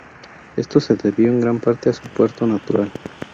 Esto se debió en gran parte a su puerto natural.